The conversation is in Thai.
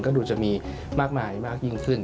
ก็ดูจะมีมากมายมากยิ่งขึ้น